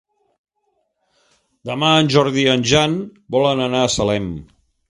Demà en Jordi i en Jan volen anar a Salem.